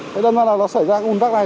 thế nên là nó xảy ra cái ổn tắc này